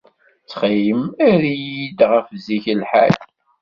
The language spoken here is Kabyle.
Ttxil-m, err-iyi-d ɣef zik lḥal.